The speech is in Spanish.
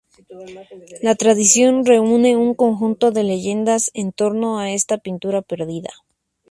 La tradición reúne un conjunto de leyendas en torno a esta pintura perdida.